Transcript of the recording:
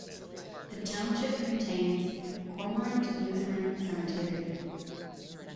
The township contains Cormorant Lutheran Cemetery.